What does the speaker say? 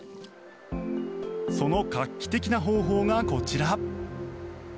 その画期的な方法がこちら。